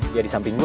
dia di samping gue